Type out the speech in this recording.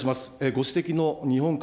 ご指摘の日本海